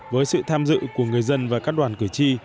với sự tham dự của người dân và các đoàn cử tri